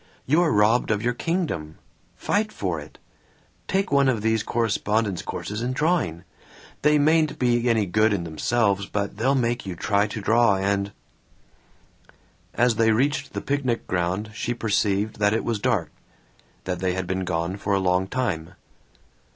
You're robbed of your kingdom. Fight for it! Take one of these correspondence courses in drawing they mayn't be any good in themselves, but they'll make you try to draw and " As they reached the picnic ground she perceived that it was dark, that they had been gone for a long time.